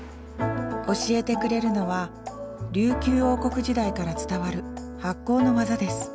教えてくれるのは琉球王国時代から伝わる発酵の技です。